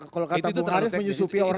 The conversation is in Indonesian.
kalau kata bu haris menyusupi orang katanya